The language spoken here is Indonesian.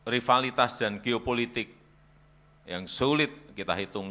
rivalitas dan geopolitik yang sulit kita hitung